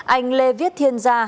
anh lê viết thiên gia